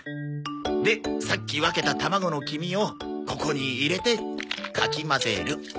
でさっき分けた卵の黄身をここに入れてかき混ぜる。